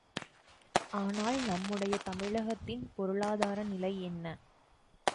ஆனால் நம்முடைய தமிழகத்தின் பொருளாதார நிலை என்ன?